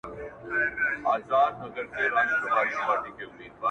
نه اثر وکړ دوا نه تعویذونو-